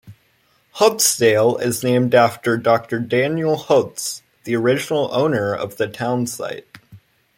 Houtzdale is named after Doctor Daniel Houtz, the original owner of the town site.